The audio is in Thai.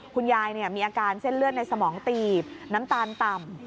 คุณยายมีอาการเส้นเลือดในสมองตีบน้ำตาลต่ำ